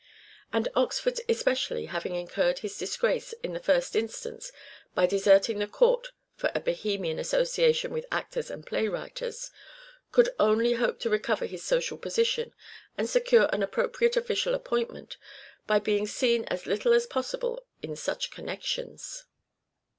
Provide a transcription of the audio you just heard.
And Oxford especially, having incurred his disgrace in the first instance by deserting the court for a Bohemian asso ciation with actors and play writers, could only hope to recover his social position and secure an appropriate official appointment, by being seen as little as possible in such connections.